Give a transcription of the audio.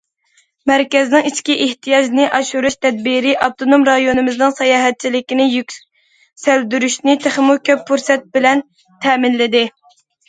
مەركەزنىڭ ئىچكى ئېھتىياجنى ئاشۇرۇش تەدبىرى ئاپتونوم رايونىمىزنىڭ ساياھەتچىلىكىنى يۈكسەلدۈرۈشنى تېخىمۇ كۆپ پۇرسەت بىلەن تەمىنلىدى.